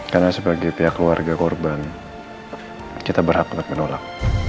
karena sebagai pihak keluarga korban kita berhak tetap menolak